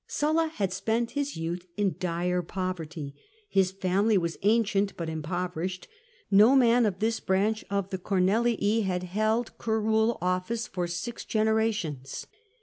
Sulla had spent his youth in dire poverty. His family was ancient but impoverished : no man of this branch of the Oornelii had held curule ofiSce for six generations.